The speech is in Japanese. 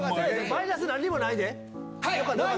マイナス何もないで。